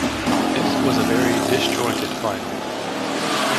This was a very dis-jointed final.